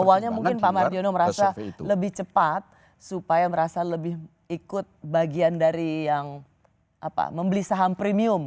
awalnya mungkin pak mardiono merasa lebih cepat supaya merasa lebih ikut bagian dari yang membeli saham premium